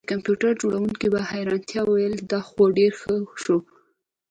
د کمپیوټر جوړونکي په حیرانتیا وویل دا خو ډیر ښه شو